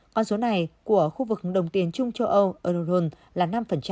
con số này của khu vực đồng tiền chung châu âu eurozone là năm